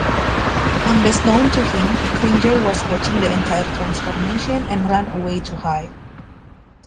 Unbeknownst to him, Cringer was watching the entire transformation and ran away to hide.